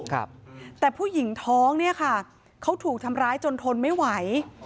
ครับแต่ผู้หญิงท้องเนี่ยค่ะเขาถูกทำร้ายจนทนไม่ไหว